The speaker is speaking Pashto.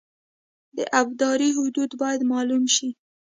د ابدارۍ حدود باید معلوم شي